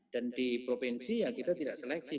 dan di provinsi ya kita tidak seleksi